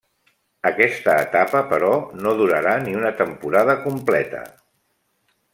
Aquesta etapa però, no durarà ni una temporada completa.